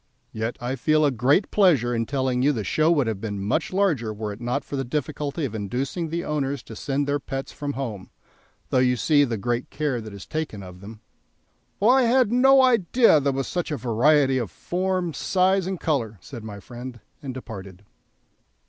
Yet I feel a great pleasure in telling you the show would have been much larger were it not for the difficulty of inducing the owners to send their pets from home, though you see the great care that is taken of them." "Well, I had no idea there was such a variety of form, size, and colour," said my friend, and departed.